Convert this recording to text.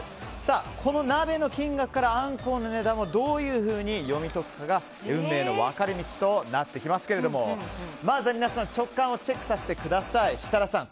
この鍋の金額からアンコウの値段をどういうふうに読み解くかが運命の分かれ道となりますがまず皆さん直感をチェックさせてください。